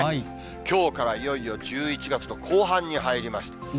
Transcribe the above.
きょうからいよいよ１１月の後半に入りました。